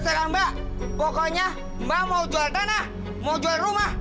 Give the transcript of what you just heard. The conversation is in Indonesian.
silahkan mbak pokoknya mbak mau jual tanah mau jual rumah